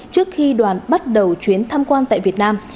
trước khi đoàn bắt đầu chuyến thăm quan tại việt nam